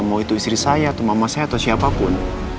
mau itu istri saya atau mama saya atau siapapun